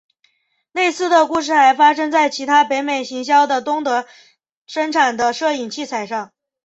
类似的故事还发生在其他北美行销的东德生产的摄影器材上。